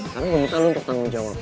karena gue minta lo untuk tanggung jawab